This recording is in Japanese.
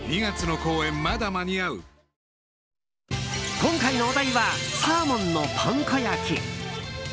今回のお題はサーモンのパン粉焼き。